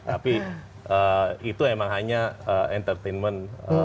tapi itu emang hanya entertainment